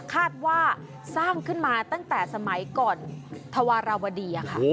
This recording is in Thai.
คาดว่าสร้างขึ้นมาตั้งแต่สมัยก่อนธวารวดีค่ะ